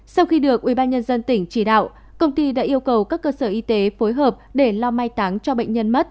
sau khi được ubnd tỉnh chỉ đạo công ty đã yêu cầu các cơ sở y tế phối hợp để lo mai táng cho bệnh nhân mất